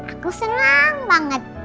aku seneng banget